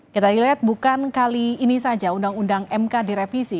kita lihat bukan kali ini saja undang undang mk direvisi